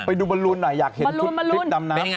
ไปดูบอลลูนหน่อยอยากเห็นชุดดำน้ำ